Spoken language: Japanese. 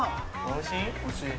おいしい？